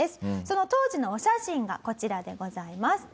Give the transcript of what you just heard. その当時のお写真がこちらでございます。